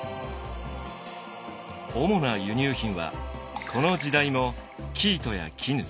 主な輸入品はこの時代も生糸や絹。